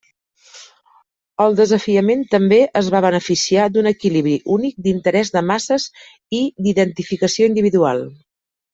El desafiament també es va beneficiar d'un equilibri únic d'interès de masses i d'identificació individual.